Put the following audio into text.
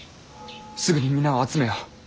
すぐに皆を集めよ。